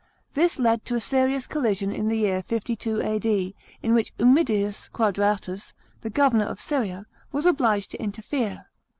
This led to a serious collision in the year 52 A.D., in which Qmmidius Quadratus, the governor of Syria, was obliged to interfere.